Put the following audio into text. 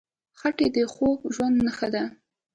خټکی د خوږ ژوند نښه ده.